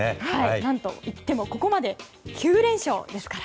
何といってもここまで９連勝ですから。